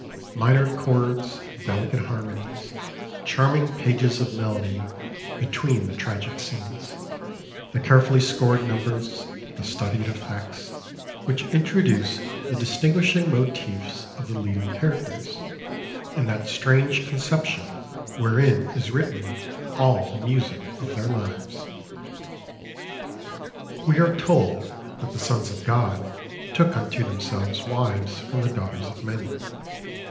Minor chords, delicate harmonies, charming pages of melody between the tragic scenes, the carefully scored numbers, the studied effects, which introduce the distinguishing motifs of the leading characters, in that strange conception wherein is written all the music of their lives. We are told that the sons of God took unto themselves wives from the daughters of men.